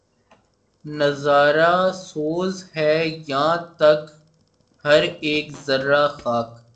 نظارہ سوز ہے یاں تک ہر ایک ذرّۂ خاک